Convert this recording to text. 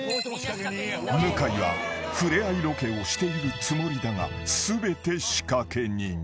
［向井は触れ合いロケをしているつもりだが全て仕掛け人］